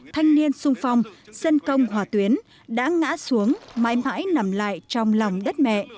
thanh niên sung phong dân công hòa tuyến đã ngã xuống mãi mãi nằm lại trong lòng đất mẹ